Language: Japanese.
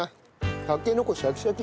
たけのこシャキシャキ。